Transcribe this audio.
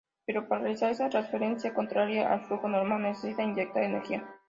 Pero para realizar esa transferencia contraria al flujo normal necesita inyectar energía.